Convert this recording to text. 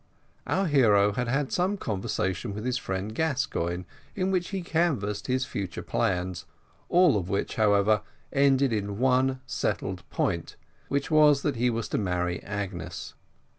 Our hero had had some conversation with his friend Gascoigne, in which he canvassed his future plans; all of which, however, ended in one settled point, which was that he was to marry Agnes.